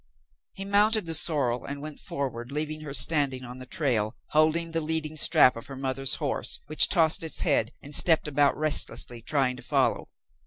He mounted the sorrel and went forward, leaving her standing on the trail, holding the leading strap of her mother's horse, which tossed its head and stepped about restlessly, trying to follow.